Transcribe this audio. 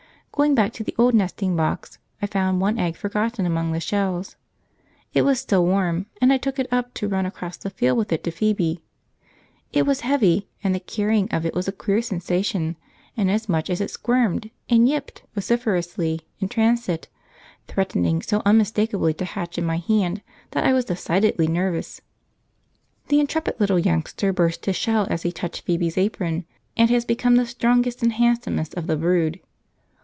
Going back to the old nesting box, I found one egg forgotten among the shells. It was still warm, and I took it up to run across the field with it to Phoebe. It was heavy, and the carrying of it was a queer sensation, inasmuch as it squirmed and "yipped" vociferously in transit, threatening so unmistakably to hatch in my hand that I was decidedly nervous. The intrepid little youngster burst his shell as he touched Phoebe's apron, and has become the strongest and handsomest of the brood.